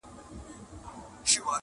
• په وطن كي عدالت نسته ستم دئ -